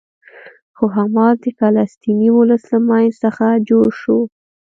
خو حماس د فلسطیني ولس له منځ څخه جوړ شو.